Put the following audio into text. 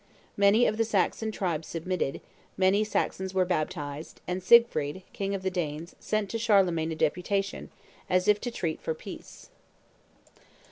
Many of the Saxon tribes submitted; many Saxons were baptized; and Siegfried, king of the Danes, sent to Charlemagne a deputation, as if to treat for peace.